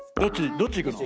どっち行くの？